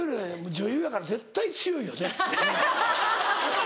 女優やから絶対強いよね。